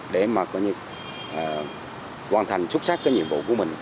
để mà hoàn thành xuất sắc cái nhiệm vụ của mình